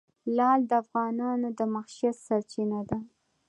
لعل د افغانانو د معیشت سرچینه ده.